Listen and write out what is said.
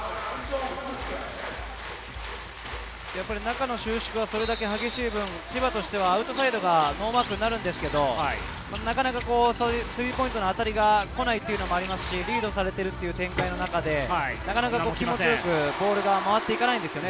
中の収縮がそれだけ激しい分、千葉としてはアウトサイドがノーマークになるんですが、なかなかスリーポイントの当たりが来ないというのもありますし、リードされている展開で、なかなか気持ちよくボールが回っていかないんですよね。